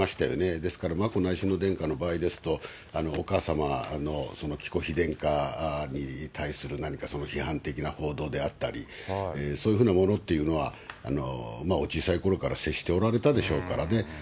ですから眞子内親王殿下の場合ですと、お母様、紀子妃殿下に対する何かその批判的な報道であったり、そういうふうなものっていうのは、お小さいころから接しておられたでしょうからね。